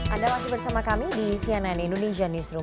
anda masih bersama kami di cnn indonesia newsroom